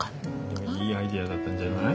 でもいいアイデアだったんじゃない？